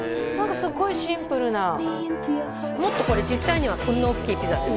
すごいシンプルなもっとこれ実際にはこんなおっきいピザです